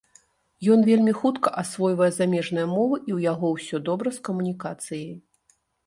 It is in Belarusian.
Ён вельмі хутка асвойвае замежныя мовы і ў яго ўсё добра з камунікацыяй.